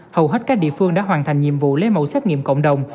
hầu hết các địa phương đã hoàn thành nhiệm vụ lấy mẫu xét nghiệm cộng đồng